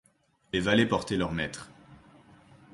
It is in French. Les valets portaient leur maître.